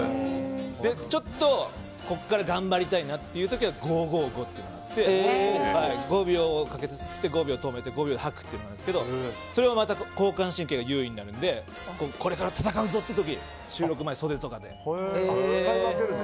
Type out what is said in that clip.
ちょっとここから頑張りたいなという時は５５５というのがあって５秒かけて吸って５秒止めて５秒で吐くっていうのがそれはまた交感神経が優位になるのでこれから戦うぞという時収録前とか。